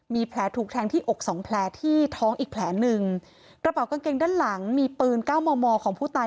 มีแผลถูกแทงที่อกสองแผลที่ท้องอีกแผลหนึ่งกระเป๋ากางเกงด้านหลังมีปืนเก้ามอมอของผู้ตาย